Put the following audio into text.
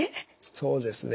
そうですね。